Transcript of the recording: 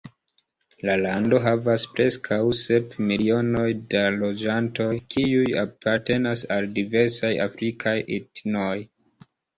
La lando havas preskaŭ sep milionojn da loĝantoj, kiuj apartenas al diversaj afrikaj etnoj.